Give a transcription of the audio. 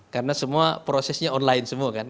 karena semua prosesnya online semua kan